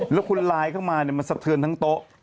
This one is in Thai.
แล้วคุณไลน์เข้ามามันสะเทือนทั้งโต๊ะ